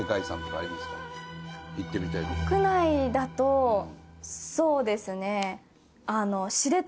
国内だとそうですね。